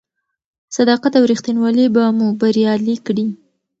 صداقت او رښتینولي به مو بریالي کړي.